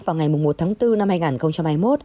vào ngày một tháng bốn năm hai nghìn hai mươi một